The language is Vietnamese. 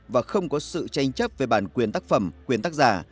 và không có sự tranh chấp về bản quyền tác phẩm quyền tác giả